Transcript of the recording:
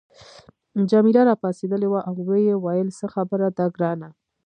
جميله راپاڅیدلې وه او ویې ویل څه خبره ده ګرانه.